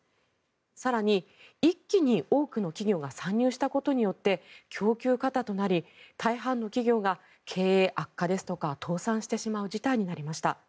更に、一気に多くの企業が参入したことにより供給過多となり大半の企業が経営悪化ですとか倒産してしまう事態になりました。